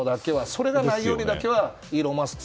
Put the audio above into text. それがないようにはイーロン・マスク